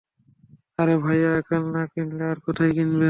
আরে ভাইয়া, এখানে না কিনলে আর কোথায় কিনবে?